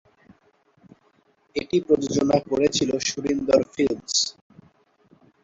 এটি প্রযোজনা করেছিল সুরিন্দর ফিল্মস।